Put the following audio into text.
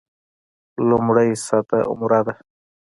لومړۍ سطح عمره ده.